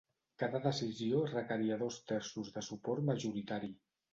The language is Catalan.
Cada decisió requeria dos terços de suport majoritari.